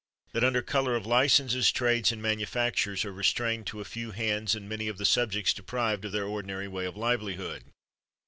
That, under color of licenses, trades and man ufactures are restrained to a few hands, and many of the subjects deprived of their ordinary way of livelihood.